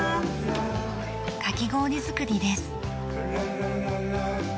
かき氷作りです。